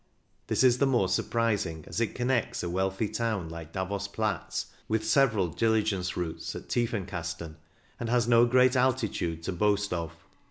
This is the more surprising as it connects a wealthy town like Davos Platz with several diligence routes at Tiefen kasten, and has no great altitude to boast of.